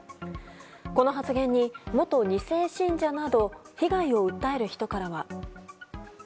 この発言に元２世信者など被害を訴える人からは。